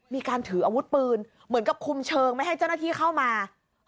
มีการถืออาวุธปืนเหมือนกับคุมเชิงไม่ให้เจ้าหน้าที่เข้ามา